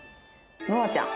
「のあちゃん。